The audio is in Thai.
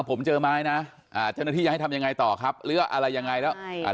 ผมเจอไม้นะอ่าเจ้าหน้าที่จะให้ทำยังไงต่อครับหรือว่าอะไรยังไงแล้วอ่า